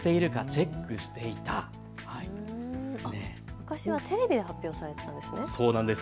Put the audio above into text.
昔はテレビで発表されていたんですね。